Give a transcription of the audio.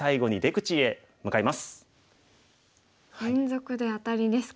連続でアタリですか。